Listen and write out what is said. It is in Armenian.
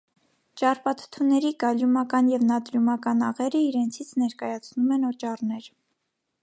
Ճարպաթթուների կալիումական և նատրիումական աղերը իրենցից ներկայացնում են օճառներ։